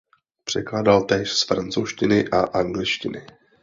Překládal též z francouzštiny a angličtiny.